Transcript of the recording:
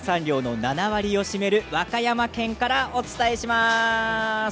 日本の生産量の７割を占める和歌山県からお伝えします。